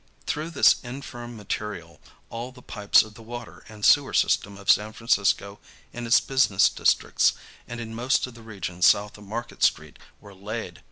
Through this infirm material all the pipes of the water and sewer system of San Francisco in its business districts and in most of the region south of Market street were laid.